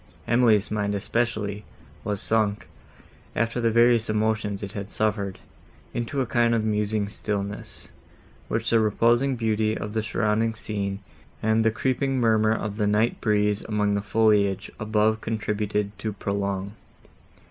—Emily's mind, especially, was sunk, after the various emotions it had suffered, into a kind of musing stillness, which the reposing beauty of the surrounding scene and the creeping murmur of the night breeze among the foliage above contributed to prolong.